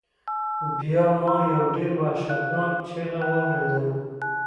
بیا ما یو ډیر وحشتناک چیغہ واوریده.